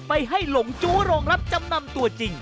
ไปให้หลงจู้โรงรับจำนำตัวจริง